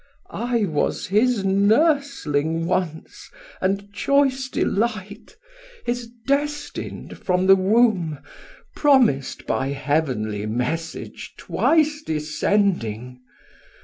I was his nursling once and choice delight, His destin'd from the womb, Promisd by Heavenly message twice descending.